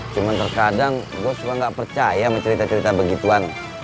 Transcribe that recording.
cuman terkadang gue suka gak percaya mencerita cerita begituan